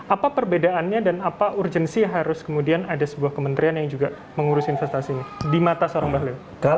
apa perbedaannya dan apa urgensi harus kemudian ada sebuah kementerian yang juga mengurus investasinya di mata seorang bahliu